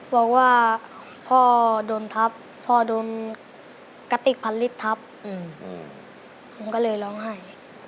บอกว่าพ่อโดนทัพคติกพลัดฤทธัพผมก็เลยร้องไห้